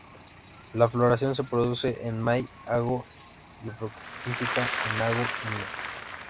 La floración se produce en may–ago, y fructifica en ago–ene.